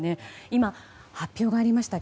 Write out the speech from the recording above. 今、発表がありました。